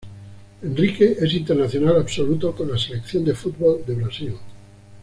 Henrique es internacional absoluto con la Selección de fútbol de Brasil.